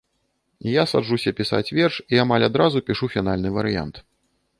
Я саджуся пісаць верш і амаль адразу пішу фінальны варыянт.